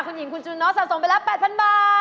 คุณหญิงคุณจูนอสสะสมไปแล้ว๘๐๐๐บาท